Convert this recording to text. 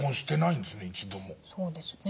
そうですね。